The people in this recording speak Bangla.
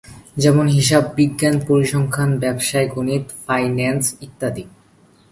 যেমনঃ হিসাববিজ্ঞান, পরিসংখ্যান, ব্যাবসায় গণিত, ফাইন্যান্স ইত্যাদি।